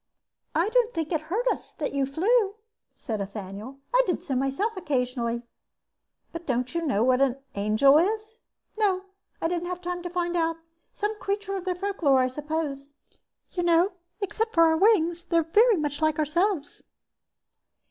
"I don't think it hurt us that you flew," said Ethaniel. "I did so myself occasionally." "But you don't know what an angel is?" "No. I didn't have time to find out. Some creature of their folklore I suppose. You know, except for our wings they're very much like ourselves.